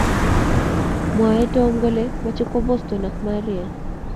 Mwae tom kole machei kwa Boston ak Maria